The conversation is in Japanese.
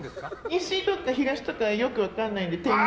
西とか東とかよく分からないので。